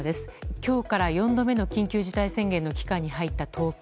今日から４度目の緊急事態宣言の期間に入った東京。